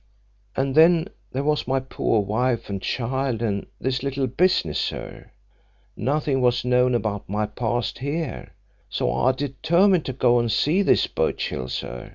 And then there was my poor wife and child, and this little business, sir. Nothing was known about my past here. So I determined to go and see this Birchill, sir.